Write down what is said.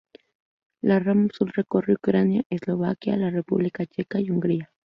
La rama sur recorre Ucrania, Eslovaquia, la República Checa y Hungría.